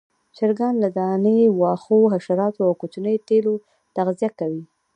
چرګان له دانې، واښو، حشراتو او کوچنيو تیلو تغذیه کوي.